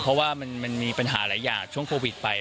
เพราะว่ามันมีปัญหาหลายอย่างช่วงโควิดไป